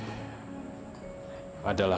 ini adalah keinginan mama kamu